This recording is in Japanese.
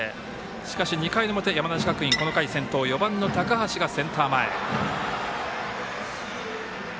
しかし、２回の表、山梨学院この回先頭の４番の高橋がセンター前。